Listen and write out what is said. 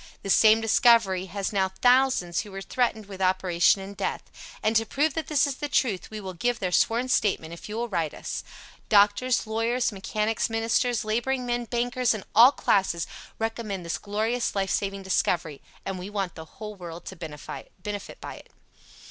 The same discovery has now thousands who were threatened with operation and death. And to prove that this is the truth we will give their sworn statement if you will write us. Doctors, Lawyers, Mechanics, Ministers, Laboring Men, Bankers and all classes recommend this glorious life saving discovery, and we want the whole world to benefit by it.